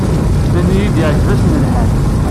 Nnan-iyi-d yeɛjeb-asen lḥal.